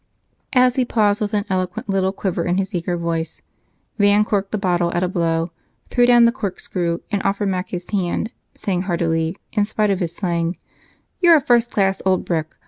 As he paused with an eloquent little quiver in his eager voice, Van corked the bottle at a blow, threw down the corkscrew, and offered Mac his hand, saying heartily, in spite of his slang: "You are a first class old brick!